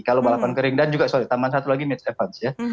kalau balapan kering dan juga sorry tambahan satu lagi mitch evans ya